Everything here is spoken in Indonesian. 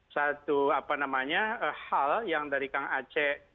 satu hal yang dari kang aceh